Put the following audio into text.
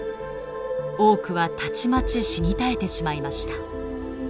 多くはたちまち死に絶えてしまいました。